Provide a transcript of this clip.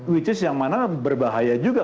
which is yang mana berbahaya juga